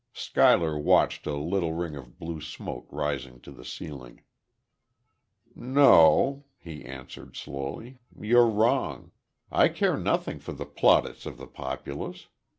Schuyler watched a little ring of blue smoke rising to the ceiling. "No," he answered, slowly, "you're wrong. I care nothing for the plaudits of the populace.